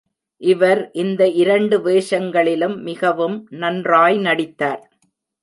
இவர் இந்த இரண்டு வேஷங்களிலும் மிகவும் நன்றாய் நடித்தார்.